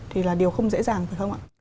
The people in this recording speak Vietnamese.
thì là điều không dễ dàng phải không ạ